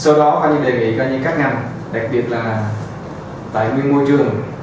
sau đó có những đề nghị có những các ngành đặc biệt là tại nguyên môi trường